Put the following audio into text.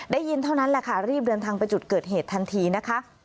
ได้ยินเท่านั้นแหละค่ะรีบเดินทางไปจุดเกิดเหตุทันทีนะคะ